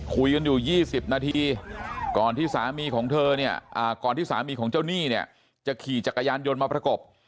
คุยกันอยู่๒๐นาทีก่อนที่สามีของเจ้าหนี้จะขี่จักรยานยนต์มาประกบ